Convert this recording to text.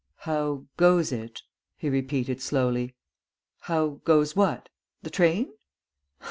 "How goes it?" he repeated slowly. "How goes what? The train?"